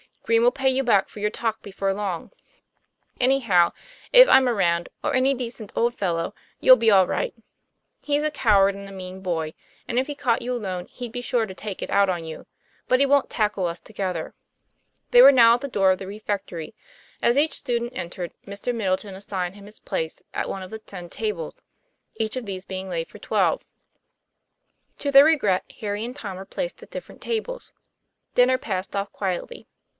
Green will pay you back for your talk before long. TOM PLAYFAIR. 53 Anyhow, if I'm around, or any decent old fellow, you'll be all right. He's a coward and a mean boy, and if he caught you alone he'd be sure to take it out on you. But he wont tackle us together." They were now at the door of the refectory; as each student entered Mr. Middleton assigned him his place at one of the ten tables, each of these being laid for twelve. To their regret, Harry and Tom were placed at different tables. Dinner passed off quietly.